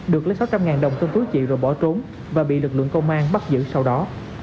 được lấy sáu trăm linh đồng tên túi chịu rồi bỏ trốn và bị lực lượng công an bắt giữ sau đó